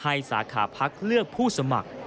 ให้สาขาภักดิ์เลือกผู้สมัคร